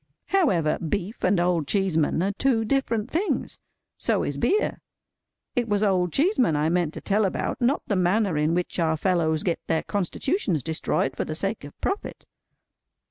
However, beef and Old Cheeseman are two different things. So is beer. It was Old Cheeseman I meant to tell about; not the manner in which our fellows get their constitutions destroyed for the sake of profit.